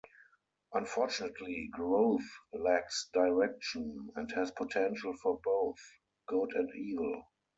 Unfortunately, Growth lacks direction, and has potential for both good and evil.